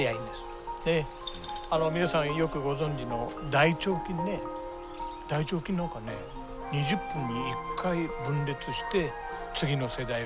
で皆さんよくご存じの大腸菌ね大腸菌なんかね２０分に一回分裂して次の世代が生まれるんですよ。